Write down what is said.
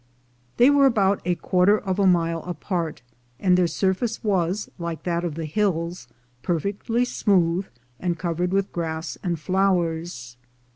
They were about a quarter of a mile apart, and their surface was, like that of the hills, perfectly smooth, and covered with grass and flowers.